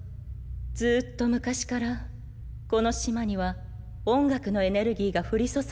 ずっと昔からこの島には音楽のエネルギーが降り注いできていたの。